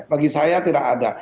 bagi saya tidak ada